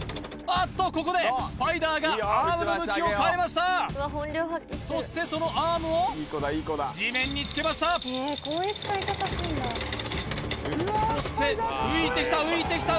あっとここでスパイダーがアームの向きを変えましたそしてそのアームを地面につけましたそして浮いてきた